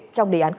trong đề án sáu